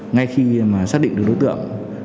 ngay khi xác định được đối tượng